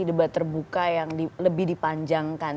debat terbuka yang lebih dipanjangkan